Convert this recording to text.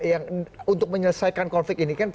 yang untuk menyelesaikan konflik ini kan